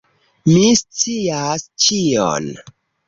Mi scias ĉion.